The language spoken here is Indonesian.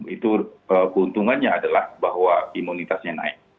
itu keuntungannya adalah bahwa imunitasnya naik